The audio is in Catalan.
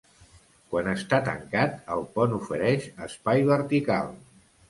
Quan està tancat, el pont ofereix espai vertical.